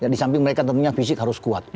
di samping mereka tentunya fisik harus kuat